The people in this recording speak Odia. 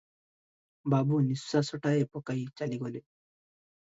ବାବୁ ନିଶ୍ୱାସଟାଏ ପକାଇ ଚାଲିଗଲେ ।